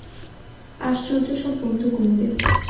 আশ্চর্য সব বন্ধু কুমুদের।